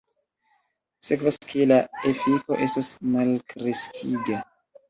Sekvas ke la efiko estos malkreskiga.